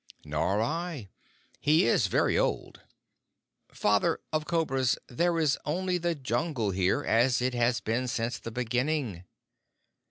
"Nor I. He is very old. Father of Cobras, there is only the Jungle here, as it has been since the beginning."